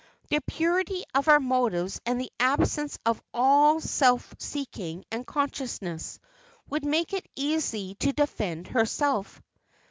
The purity of her motives and the absence of all self seeking and consciousness, would make it easy to defend herself.